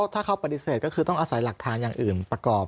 ถ้าเขาปฏิเสธก็คือต้องอาศัยหลักฐานอย่างอื่นประกอบ